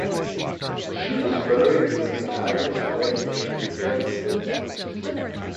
She was buried with an Irish flag which she had kept with her.